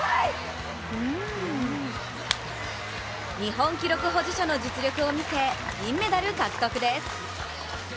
日本記録保持者の実力を見せ銀メダル獲得です。